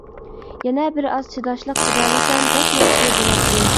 يەنە بىر ئاز چىداشلىق بېرەلىسەم بەك ياخشى بولاتتى.